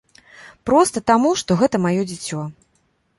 Проста таму, што гэта маё дзіцё.